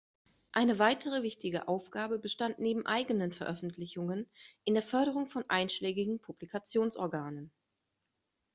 Eine weitere wichtige Aufgabe bestand neben eigenen Veröffentlichungen in der Förderung von einschlägigen Publikationsorganen.